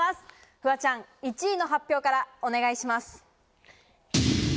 フワちゃん、１位の発表からお願いします。